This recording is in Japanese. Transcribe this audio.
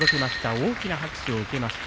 大きな拍手を受けました。